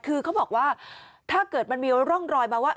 คือเขาบอกว่าถ้าเกิดมันมีร่องรอยมาว่า